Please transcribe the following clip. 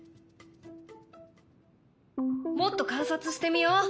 もっと観察してみよう。